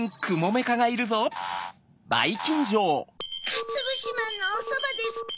かつぶしまんのおそばですって。